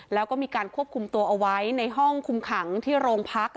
แล้วก็มีการควบคุมตัวเอาไว้ในห้องคุมขังที่โรงพัก